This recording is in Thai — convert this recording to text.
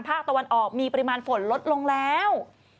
ภาคตะวันออกมีปริมาณฝนลดลงแล้ว